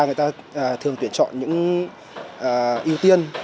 người ta thường tuyển chọn những ưu tiên